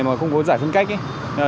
mà không có đường sắt trên cao